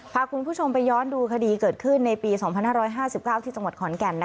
พาคุณผู้ชมไปย้อนดูคดีเกิดขึ้นในปี๒๕๕๙ที่จังหวัดขอนแก่น